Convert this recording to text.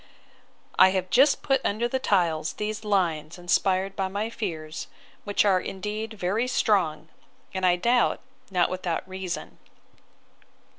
I have just put under the tiles these lines inspired by my fears, which are indeed very strong; and, I doubt, not without reason.